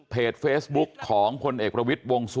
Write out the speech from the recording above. เป็นรัฐบาล